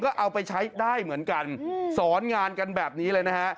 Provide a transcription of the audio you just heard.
ก็เอาไปใช้ได้เหมือนกันสอนงานกันแบบนี้เลยนะฮะ